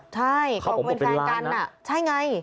ใช่เป็นแฟนกันใช่ไง